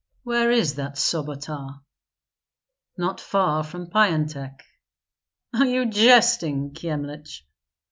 "Where is that Sobota?" "Not far from Pyantek." "Are you jesting, Kyemlich?"